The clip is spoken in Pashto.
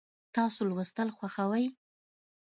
تاسو لوستل خوښوئ؟